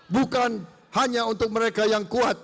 bukan hanya untuk mereka yang kuat